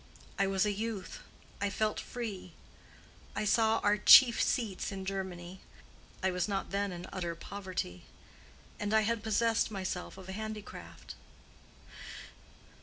I was a youth; I felt free; I saw our chief seats in Germany; I was not then in utter poverty. And I had possessed myself of a handicraft.